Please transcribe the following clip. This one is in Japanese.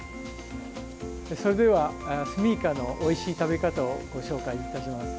それではスミイカのおいしい食べ方をご紹介いたします。